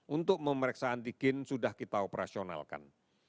untuk memeriksa antigen sudah kita operasionalkan